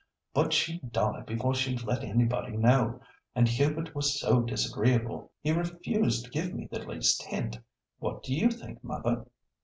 But she'd die before she let anybody know, and Hubert was so disagreeable, he refused to give me the least hint. What do you think, mother?"